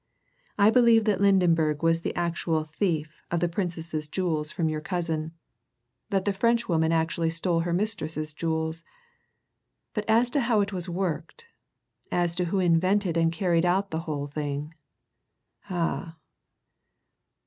I believe that Lydenberg was the actual thief of the Princess's jewels from your cousin; that the Frenchwoman actually stole her mistress's jewels. But as to how it was worked as to who invented and carried out the whole thing ah!"